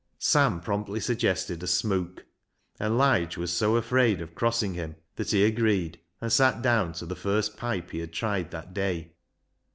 Sam promptly suggested a " smook," and Lige was so afraid of crossing him that he agreed, and sat down to the first pipe he had tried that day.